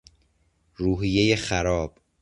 روحیهی خراب